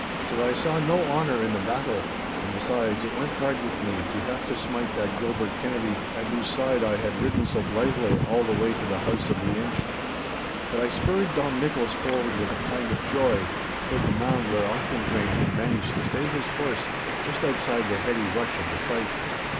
So that I saw no honour in the battle, and besides, it went hard with me to have to smite that Gilbert Kennedy, at whose side I had ridden so blithely all the way to the house of the Inch. But I spurred Dom Nicholas forward with a kind of joy, toward the mound where Auchendrayne had managed to stay his horse just outside the heady rush of the fight.